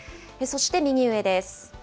そして右上です。